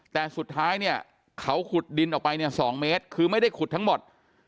แต่สุดท้ายเนี่ยเขาขุดดินออกไปเนี่ย๒เมตรคือไม่ได้ขุดทั้งหมด